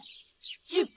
出発